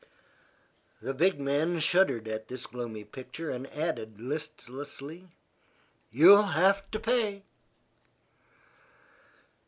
The big man shuddered at this gloomy picture, and added, listlessly: "You'll have to pay."